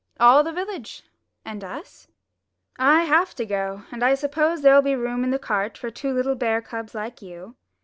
"All the village." "And us?" "I have to go, and I suppose there'll be room in the cart for two little bear cubs like you."